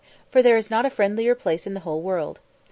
for there is not a friendlier place in the whole world.